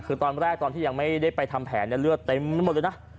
คือตอนแรกตอนที่ยังไม่ได้ไปทำแผนเลือดเต็มไปหมดเลยนะ